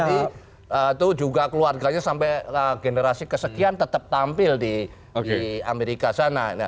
itu juga keluarganya sampai generasi kesekian tetap tampil di amerika sana